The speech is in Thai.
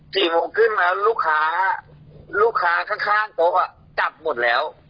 สี่โมงขึ้นแล้วลูกค้าข้างโต๊ะจับหมดแล้ว